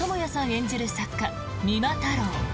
演じる作家、三馬太郎。